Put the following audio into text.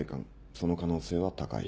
その可能性は高い。